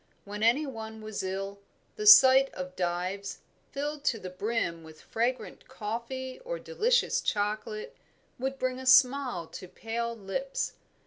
When any one was ill, the sight of Dives, filled to the brim with fragrant coffee or delicious chocolate, would bring a smile to pale lips.